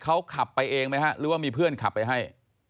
เขาขับไปเองไหมฮะหรือว่ามีเพื่อนขับไปให้